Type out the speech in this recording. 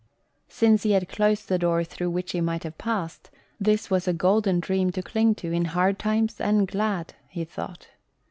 Since he had closed the door through which he might have passed, this was a golden dream to cling to in hard times and glad, he thought.